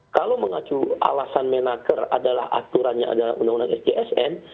kalau mengacu alasan menakar adalah aturan yang ada undang undang sjsn